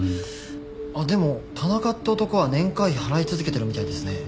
あっでも田中って男は年会費払い続けてるみたいですね。